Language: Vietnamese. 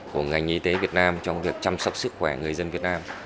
của ngành y tế việt nam trong việc chăm sóc sức khỏe người dân việt nam